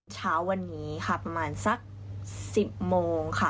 เช้าวันนี้ค่ะประมาณสัก๑๐โมงค่ะ